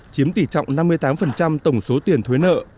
chiếm tỷ trọng năm mươi tám tổng số tiền thuế nợ